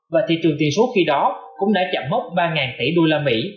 và thị trường tiền số khi đó cũng đã chậm mốc ba tỷ usd